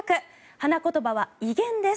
花言葉は威厳です。